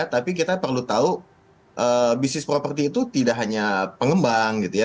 tapi kita perlu tahu bisnis properti itu tidak hanya pengembang gitu ya